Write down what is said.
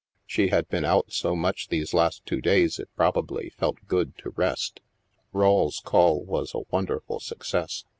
She had been out so much these last two days it probably felt good to rest. Rawle's call was a wonderful success.